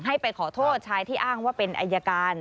ให้ไปขอโทษชายที่อ้างว่าเป็นอายการ